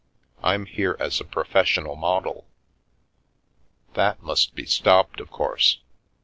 Fm here as a professional model." That must be stopped, of course.